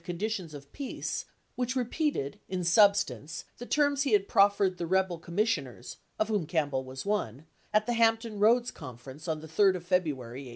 conditions of peace which repeated in substance the terms he had proffered the rebel commissioners (of whom Campbell was one) at the Hampton Roads Conference on the 3d of February, 1865.